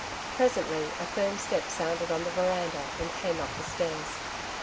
Presently a firm step sounded on the veranda and came up the stairs.